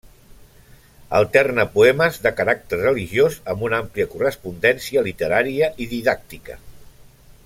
Alterna poemes de caràcter religiós amb una àmplia correspondència literària i didàctica.